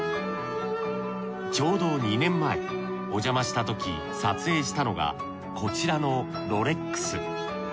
ちょうど２年前おじゃましたとき撮影したのがこちらのロレックス。